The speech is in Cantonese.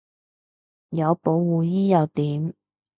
有保護衣又點